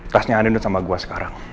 kerasnya andin udah sama gue sekarang